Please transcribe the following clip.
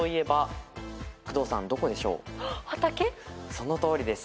そのとおりです。